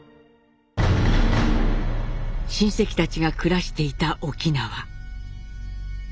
親戚たちが暮らしていた沖縄。